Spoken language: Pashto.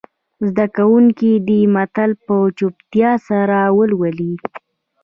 زده کوونکي دې متن په چوپتیا سره ولولي.